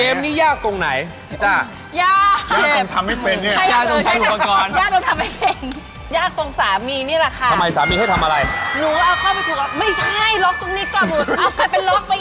เออไม่ได้เลยนะครับ